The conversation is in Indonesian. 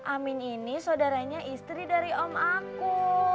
amin ini saudaranya istri dari om aku